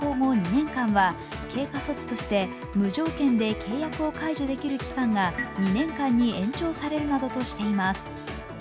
２年間は経過措置として無条件で契約を解除できる期間が２年間に延長されるなどとしています。